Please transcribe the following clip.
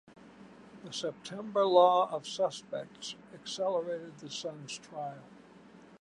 The September Law of Suspects accelerated the son's trial.